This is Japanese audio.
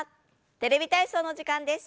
「テレビ体操」の時間です。